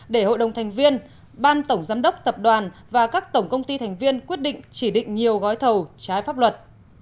để hội đồng thành viên ban tổng giám đốc tập đoàn và các tổng công ty thành viên quyết định chỉ định nhiều gói thầu trái pháp luật